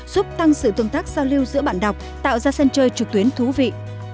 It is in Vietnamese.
giúp tăng sự tương tác giao lưu giữa bạn đọc tạo ra sân chơi trực tuyến thú vị